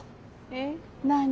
えっ何？